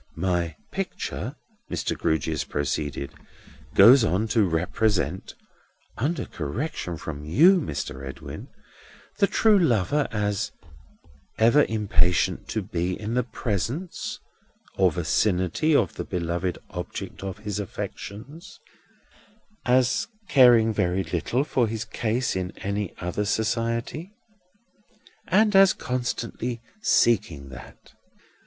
"My picture," Mr. Grewgious proceeded, "goes on to represent (under correction from you, Mr. Edwin), the true lover as ever impatient to be in the presence or vicinity of the beloved object of his affections; as caring very little for his case in any other society; and as constantly seeking that.